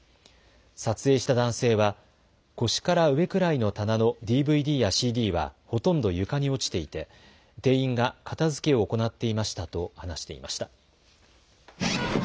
撮影した男性は腰から上くらいの棚のＤＶＤやＣＤはほとんど床に落ちていて店員が片づけを行っていましたと話していました。